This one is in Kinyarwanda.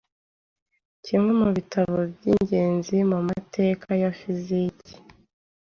“kimwe mu bitabo by’ingenzi mu mateka ya fiziki